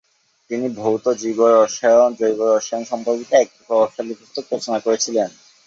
তিনি ভৌত জৈব রসায়ন সম্পর্কিত একটি প্রভাবশালী পুস্তক রচনা করেছিলেন।